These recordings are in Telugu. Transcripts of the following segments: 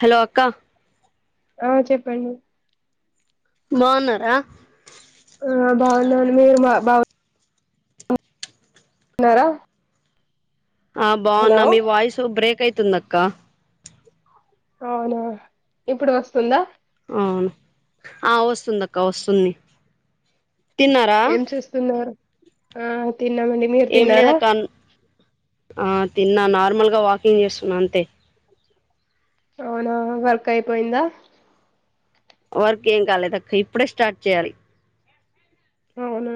హలో అక్క. ఆ చెప్పండి. బాగున్నారా? ఆ బాగున్నాను మీరు బా బా న్నరా ఆ బావ్వునం మీ వయిసు బ్రేక్ అయితుంది అక్క అవునా ఇప్పుడు వస్తుందా ఆ వస్తుంది అక్క వస్తుంది తిన్నారా ఏం చేస్తున్నారు. ఆ తిన్నామండి, మీరు ఏం తిన్నారా? లేదక్క ఆ తిన్నా. నార్మల్గా వాకింగ్ చేస్తున్న అంతే అవునా వర్క్ అయిపోయిందా వర్క్ ఏం కాలేదక్క ఇప్పుడే స్టార్ట్ చేయాలి. అవునా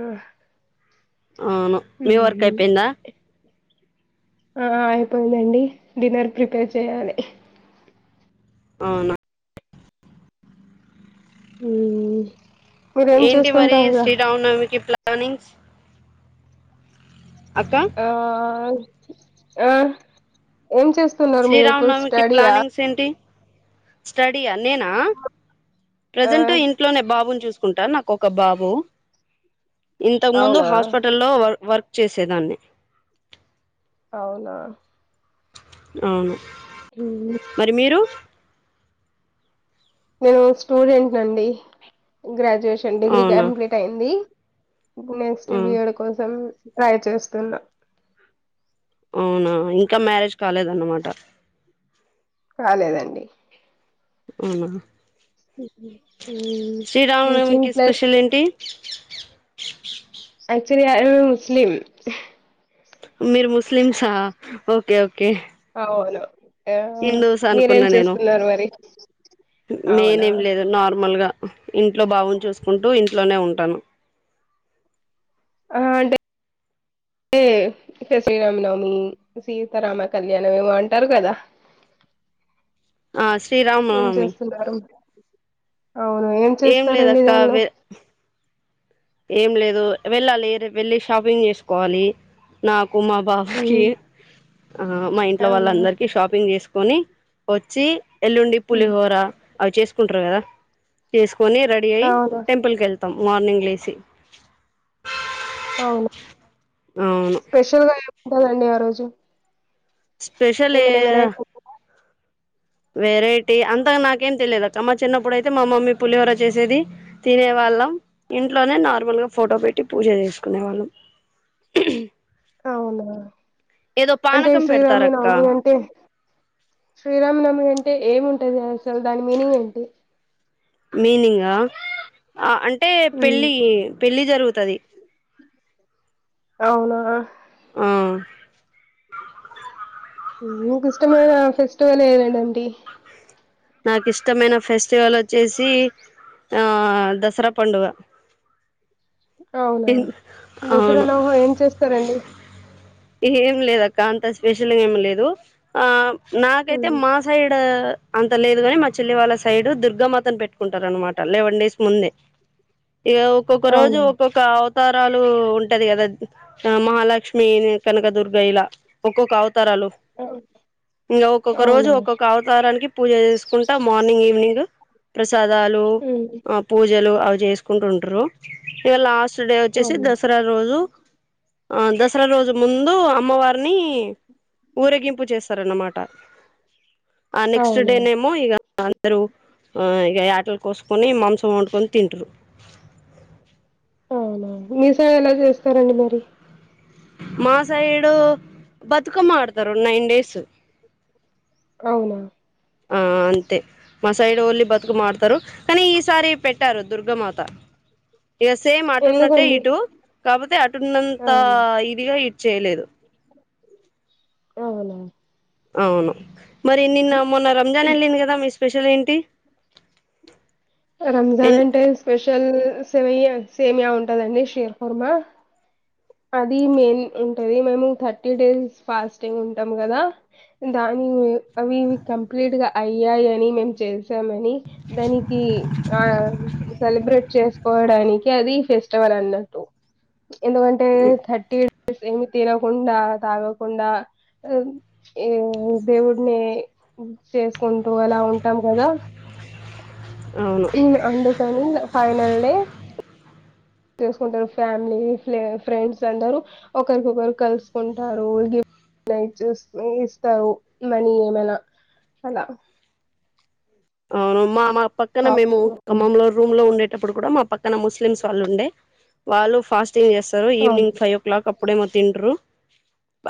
అవును మీ వర్క్ మ్మ్. అయిపోయిందా ఆ అయిపోయిందండి డిన్నర్ ప్రిపేర్ చేయాలి అవునా ఉమ్ ఏంటి మరి శ్రీరామ నవమికి ప్లానింగ్స్ అక్క ఆ ఆ ఏం చేస్తున్నారు మీరు పుడు శ్రీరామనవమికి స్టడీ ఆ ప్లానింగ్స్ ఏంటి స్టడీయా నేనా ఆ ప్రజెంట్ ఇంట్లోనే బాబుని చూసు ట నాకు ఒక బాబు ఇంతకు ముందు అవునా హాస్పిట లో వర్క్ చేసేదాని అవునా అవును మ్మ్. మరి మీరు నేను స్టూడెంట్ నండి గ్రాడ్యుయేషన్ డిగ్రీ అవునా కంప్లీట్ అయింది నెక్స్ట్ ఆ బియడ్ కోసం ట్రై చేస్తున్నా అవునా ఇంకా మ్యారేజ్ కాలేదన్నమాట కాలేదండి అవునా టీచింగ్ శ్రీరామనమికి ప్లస్ స్పెషల్ ఏంటి ఆక్చులి ఆ మేం ముస్లిం మీరు ముస్లిమ్స్ ఆ ఓకే ఓకే అవును అ హిందూస్ మీరేం అనుకున్నా నేను చేస్తున్నారు మరి అవునా నేనేం లేదు నార్మల్ గా ఇంట్లో బాబును చూసుకుంటూ ఇంట్లోనే ఉంటాను ఆ అంటే ఇక శ్రీరామనవమి సీతారామ కళ్యాణం ఏమో అంటారు కదా ఆ శ్రీ ఏం చేస్తున్నారు అవును ఏం చేస్తారండి లేదక్క దానిలో వ్య ఏం లేదు వెళ్ళాలి రేప్ వెళ్ళి షాపింగ్ చేసుకోవాలి నాక్ మా బాబ్ కి ఉమ్, ఆ మా ఇంట్లో అవునా వాళ్ళందరికి షాపింగ్ చేసుక్ ని వచ్చి ఎల్లుండి ఉమ్, పులిహోర అవి చేసుకుంటారు కదా చేస్ కని రెడీ అయి అవునా టెంపుల్ కెళ్తాం మార్నింగ్ లేసి అవున అవును స్పెషల్గా ఎం ఉంముంటదండి ఆ రోజు స్పెషల్ ఏ ఏమైనా అ వెరైటీ వెరైటీ అంత నాకేం తెలియదు అక్క మా చిన్నప్పుడు అయితే మా మమ్మీ పులిహోర చేసేది తినేవా ళ్ళం ఇంట్లోనే నార్మల్ గా ఫోటో పెట్టి పూజ చేసుకునే వాళ్ళం అవునా ఏదో పానకం శ్రీరామి నవమి పెడతారక్క అంటే శ్రీరామనమి అంటే ఏముంటది అసలు దాని మీనింగ్ ఏంటి మీనింగా అ అంటే ఉమ్ పెళ్ళి పెళ్ళి జరుగుతది అవునా ఆ మీకు ఇష్టమైన ఫెస్టివల్ ఏదానండి నాకు ఇష్టమైన ఫెస్టివల్ వచ్చేసి ఆ దసరా పండుగ అవునా అవును దసరాలో ఏం చేస్తారండి ఏం లేదక్క అంత స్పెషల్ ఏమ్ లేదు ఆ నాకైతే ఉమ్, మా సైడ్ అంత లేదుగాని మా చెల్లి వాళ్ళ సైడ్ దుర్గామాతన్ పెట్కుంటర్ అనమాట. లెవెన్ డేస్ ముందే ఇగ ఒక్కొక్క రోజు అవునా ఒక్కొక్క అవతారాలు ఉంటది. కదా మహాలక్ష్మి కనకదుర్గ ఇలా ఒక్కొక్క అవ తరలు అవ్- ఇంగ ఒక్కొక్క రోజు అవునా ఒక్కొక్క అవతారానికి పూజ చేసుకుంట మార్నింగ్ ఈవినింగ్ ప్రసాదాలు ఉమ్, ఆ పూజలు అవి చేస్ కుంటుంటరు ఇగ లాస్ట్ డే వచ్చేసి అవునా దసరా రోజు ఆ దసరా రోజు ముందు అమ్మవారిని ఊరేగింపు చేస్తరన్నమాట. ఆ నెక్స్ట్ అవునా డే నేమో ఇగ అందరూ ఆ ఇగ యాటలు కోసుకొని మాంసం వండుకొని తింట్రు అవునా మీసైడ్ ఎలా చేస్తారండి మరి మా సైడు బతుకమ్మ ఆడ్తరు నైన్ డేస్ అవును ఆ అంతే మా సైడ్ ఓళ్ళి బతుకమ్మాడ్తరు కానీ ఈసారి పెట్టరు దుర్గమాత ఇగ సేమ్ అటున్నట్టే ఎందుకండి ఇటు కాపోతే అటున్నంత అవునా ఇదిగా ఇట్ చేయలేరు. అవునా అవును మరి నిన్న మొన్న రంజాన్ ఎల్లింది కదా మీ స్పెషల్ ఏంటి రంజాన్ ఎన్ అంటె స్పెషల్ సేమియ సేమియా ఉంటదండి శీర్ కుర్మ అది మెయిన్ ఉంటది. మేము థర్టీ డేస్ ఫాస్టింగ్ ఉంటం కదా. దా అవి ఇవి కంప్లీట్ గా అయ్యాయి అని మేము చేసామని దాని కోడానికి అది ఫెస్టివల్ అన్నట్టు ఎందుకంటే థర్టీ ఏ తినకుండ తాగకుండా ఈ దేవుడ్ని చేసుకుంటు అలా ఉన్ టం గదా అవును అందుకని ఫైనల్ డే చేసుకుంటరు ఫ్యామ్లీ ఫ్లె ఫ్రెండ్స్ అందరూ ఒకరికొకరు కలుసుకుంటారు గిఫ్ నై చూస్తూ ఇస్తావు నేను ఇయ్యన్ అలా ఔను మా మా పక్కన మేము షాపింగ్ ఖమ్మంలో రూమ్ లో ఉన్ ఇప్పుడు కూడా మా పక్కన ముస్లిమ్స్ వాళ్ళుండే వాళ్ళు ఫాస్టింగ్ చేస్తరు ఈవ్నింగ్ అవును ఫై ఓ క్లాక్ అ ప్పుడేమో తింట్రు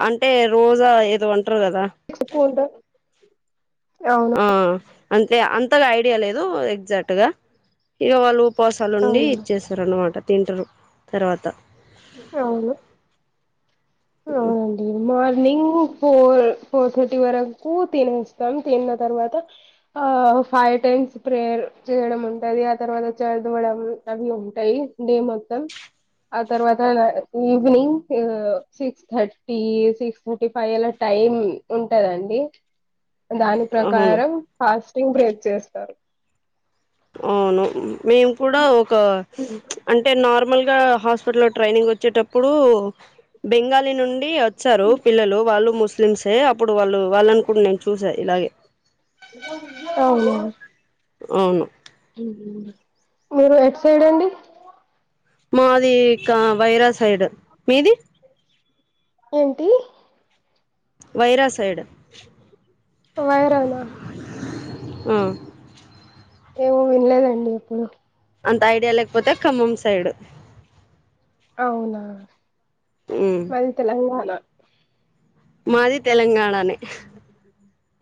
అంటే రోజా ఏదో వన్ ట్రగద ఎక్కువ ఉంటారు అవును ఆ అంతే అంతగా ఐడియా లేదు ఎగ్జాక్ట్ గా ఇగ వాళ్ళు ఉపవాసల్ ఉండి అవును ఇచ్చేసరనమాట తింటరు తర్వాత ఔను ఔనండి మా నింగ్ ఫోర్ ఫోర్ థర్టీ వరకు తినేస్తాం. తిన్న తర్వాత ఆ ఒ ఫై టైమ్స్ ప్రేయర్ చేయడం ఉంటది. ఆ తర్వాత చద్వడం అవి ఉంటయి డేమో ఉత్తం ఆ తర్వాత ఈవినింగ్ ఇగ్ six thirty six thirty five అలా టైం ఉంటదండి. దాని అవును ప్రకారం ఫాస్టింగ్ బ్రేక్ చేస్తారు. ఔను మేమ్ కూడా ఒక అంటే నార్మల్ గా హాస్పిటల్ లో ట్రైనింగ్ ఒచ్చేటప్పుడు బెంగాలీ నుండి ఒ చ్చారు పిల్లలు వాళ్ళు ముస్లిమ్సే అప్పుడు వాళ్ళు వాళ్ళన్ కూడ నె అవ్వును ఔను మీరు ఎట్ సైడ్ అండి మాది ఇక వైరా సైడ్ మీద్ ఏంటీ వైరాసైడ్ వైరానా అ ఏమో విన్లేదండి ఎప్పుడు అంత ఐడియా లేక పోతే ఖమ్మం సైడు అవునా ఉమ్ మాది తెలంగాణ మాది తెలంగాణనె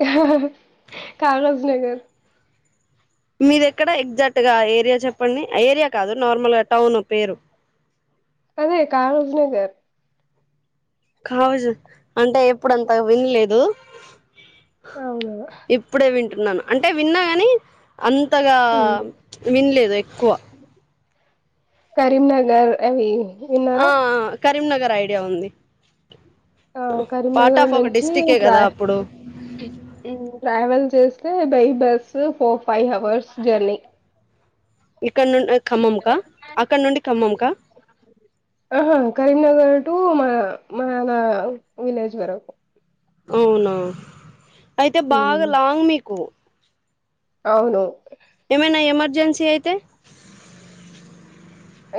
అహహహ కావాజ్ నగర్ మీదెక్కడ ఎగ్జాక్ట్ గా ఏరియా చెప్పండి ఏరియా కాదు నార్మల్ గా టౌను పేరు అదే కావాజ్ నగర్ ఖావజ్ అంటే ఎప్పుడు అంత విన్లేదు అవునా ఇప్పుడే వింటున్నాను అంటే విన్నా గని అంతగా ఉమ్. విన్లేద్ ఎక్వా కరీంనగర్ అవి ఆ విన్నరా కరీంనగర్ ఐడియా ఉంది ఆ పార్ట్ కరీంనగర్ ఆఫ్ ఒక నుంచి డిస్టికే కదా ట్రావ్ అప్పుడు ట్రావెల్ చేసి by bus for five hours journey క్కడ్ నుంఅ ఖమ్మంకా అక్కడ్ నుండి ఖమ్మంకా అ మన మన నా విలేజ్ వరకు అవునా ఐతే బాగా లాంగ్ మీకు ఔనూ ఏమైనా ఎమర్జెన్సీ అయితే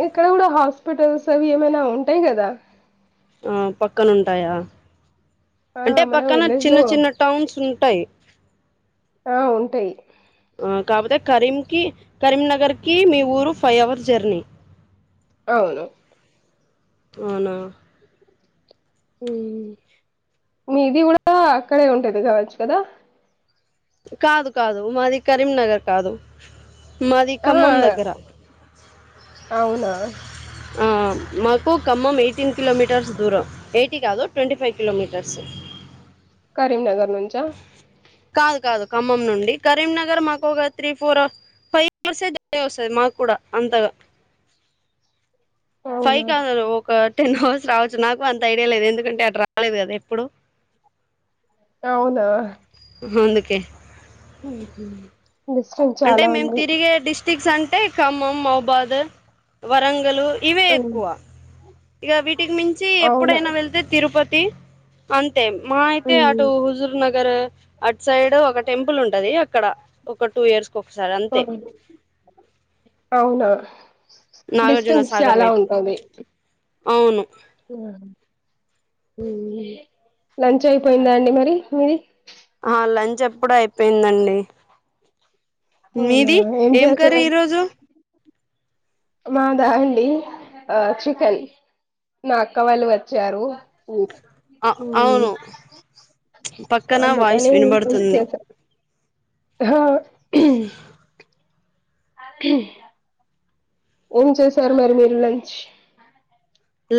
ఇక్కడ కూడ హాస్పిటల్స్ అవి ఏమైనా ఉంటయి గదా ఆ పక్కనుంటాయా ఆ! అంటే మన పక్కన చిన్న విలేజ్‌లో చిన్న టౌన్స్ ఉ ట్టయ్ ఆ ఉంటయ్ ఆ కాపోతె కరీంకి కరీంనగర్కి మీ ఊరు ఫై అవర్స్ జర్నీ ఔను ఔనా మ్ మీది గుడా అక్కడే ఉంటది గావచ్చ్ గదా కాదు కాదు మాది కరీంనగర్ కాదు మాది ఆహా! ఖమ్మం దగ్గర అవునా! ఆ మాకు ఖమ్మం ఎయిటీన్ కిలోమీటర్స్ దూరం ఎయిటీ కాదు ట్వంటీ ఫై కిలోమీటర్స్ కరీంనగర్ నుంచా కాదు కాదు ఖమ్మం నుండి కరీంనగర్ మాకు ఒక త్రీ ఫోర్ ఫై ఒస్తది మాకు కూడా అంతగా ఫై అవునా! కాద్ ఒక టెన్ హవర్స్ రావచ్చు నాకు అంత ఐడియా లేదు ఎందుకంటే అట్రా రాలేద్ కదా ఎప్పుడు ఔనా తె హు హ్మ్మ్ అంటే మేమ్ తిరిగే డిస్టిక్స్ అన్ అంటే ఖమ్మం మోబాద్ వరంగలు ఇవే హ్మ్. ఎక్కువ ఇగ వీటిక్ మించి అవునా! ఎప్పుడైన వెళ్తే తిరుపతి అన్ తే మా అయితే అటు హ్మ్. హుజూర్ నగరు అట్ సైడ్ ఒక టెంపుల్ ఉంటది అక్కడ ఒక టూ ఇయర్స్ ఔనా డిస్టెన్స్ చాలా ఉంటది ఔను లంచ్ అయిపోయిందా అండి మరి మీది ఆ లంచ్ ఎపుడో అపెందండి అవునా మీది ఏం కర్రీ చేసారు ఈరోజు మాదా అండి ఆహ్ చికెన్ మా అక్క వాళ్ళు వచ్చారు ఉత్ అ మ్ అవును పక్కన వాయిస్ అందుకనే వినబడుతుంది చేసా హ ఏం చేశారు మరి మీరు లంచ్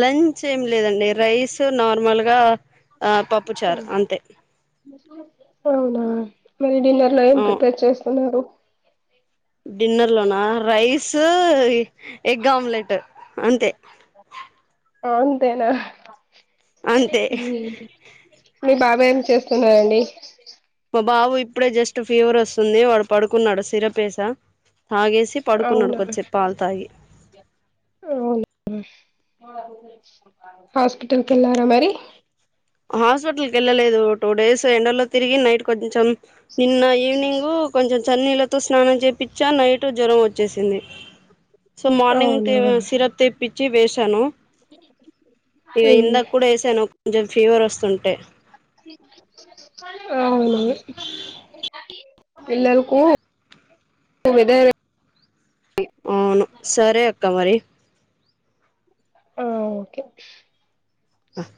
లంచ్ ఏమ్ లేదండి రైసు నార్ మల్ గా ఆహ్ పప్పు చార్ అంతే ఔనా మరి డిన్నర్ లో ఏం ఆ ప్రిపేర్ చేస్తున్నారు డిన్నర్ లోనా రైసు ఉ ఎగ్ ఆమ్ లేటు అంతే అమ్ తేనా అంతే మీది మీ బాబ్ ఎం చేస్తున్ న్నారండి మా బాబు ఇప్పుడే జస్ట్ ఫీవర్ వస్ సుంది వాడు పడుకున్నాడు సిరపేసా తాగేసి పడుకున్నాడు కోచెప్ పాల్ తాగి ఔన్ హ్ హాస్ స్పెటల్ కెలార మరి హాస్ పటల్ కి యేళ్ళలేదు టూ డేస్ ఎండలో తిరిగి నైట్ కోద్ కొంచెం నిన్న ఈవ్ నీంగూ కొంజన్ చన్ నీళ్లతో స్నానం చేపిచ్చా నైట్ జ్వరం ఒచ్చేసింది సో మార్ నింగ్ కి అవునా సిరప్ తెప్పిచి వేశాను ఇగ ఉమ్ ఇందాకుడా ఏసాను కొంజమ్ ఫీవరోస్తుంటే ఔను పిలల్ కు వెదారు ఔన్ సరే అక్క మరి ఆ ఓకే అహ్